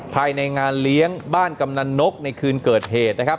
ภายในงานเลี้ยงบ้านกำนันนกในคืนเกิดเหตุนะครับ